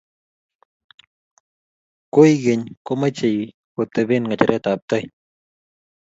Koikeny ko machei ko tepe ngecheret ab tai